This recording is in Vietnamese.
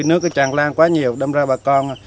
nước tràn lan quá nhiều đâm ra bà con